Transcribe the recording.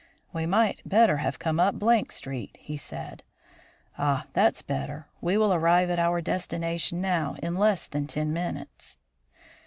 "We might better have come up Street," he said. "Ah! that's better. We will arrive at our destination now in less than ten minutes."